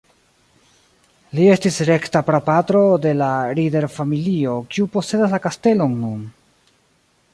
Li estis rekta prapatro de la Rieder-familio kiu posedas la kastelon nun.